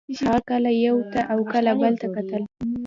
هغه کله یو ته او کله بل ته کتل